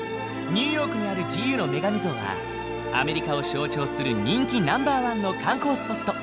ニューヨークにある自由の女神像はアメリカを象徴する人気ナンバーワンの観光スポット。